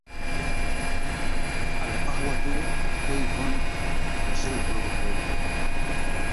قم فاسقنيها قهوة كدم الطلا